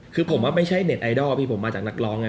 คือผมว่าไม่ใช่เน็ตไอดอลพี่ผมมาจากนักร้องไง